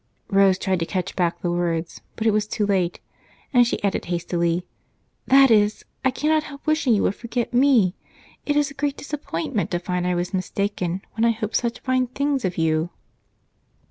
Rose tried to catch back the words, but it was too late, and she added hastily, "That is, I cannot help wishing you would forget me. It is a great disappointment to find I was mistaken when I hoped such fine things of you."